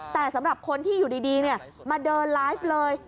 แต่สำหรับคนที่อยู่ดีมาเดินไลฟ์เลย